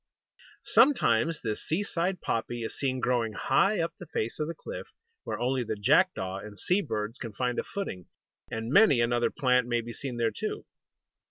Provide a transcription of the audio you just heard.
Sometimes this seaside poppy is seen growing high up the face of the cliff, where only the jackdaw and sea birds can find a footing; and many another plant may be seen there too.